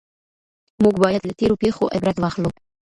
موږ بايد له تېرو پېښو عبرت واخلو.